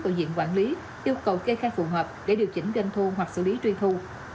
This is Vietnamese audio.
từ diện quản lý yêu cầu kê khai phù hợp để điều chỉnh doanh thu hoặc xử lý truy thu